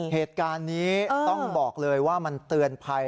เหตุการณ์นี้ต้องบอกเลยว่ามันเตือนภัย